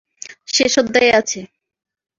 শেষ অধ্যায়ে আছে।